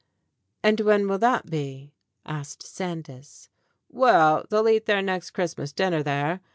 "And when will that be ?" asked Sandys. "Well, they'll eat their next Christmas dinner there.